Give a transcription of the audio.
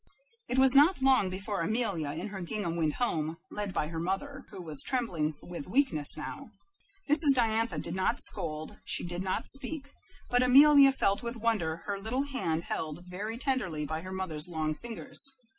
It was not long before Amelia, in her gingham, went home, led by her mother her mother, who was trembling with weakness now. Mrs. Diantha did not scold. She did not speak, but Amelia felt with wonder her little hand held very tenderly by her mother's long fingers.